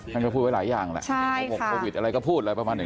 มันก็พูดไว้หลายอย่างแหละโอโหโควิดอะไรก็พูดเลยประมาณนี้